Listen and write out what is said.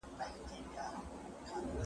یو خالق د دې جهان پر یو قرار دی